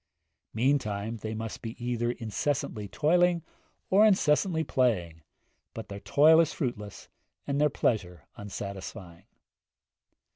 Meantime they must be either incessantly toiling or incessantly playing, but their toil is fruitless and their pleasure unsatisfying.